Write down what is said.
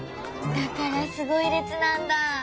だからすごいれつなんだ。